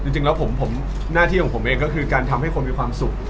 จริงแล้วผมหน้าที่ของผมเองก็คือการทำให้คนมีความสุข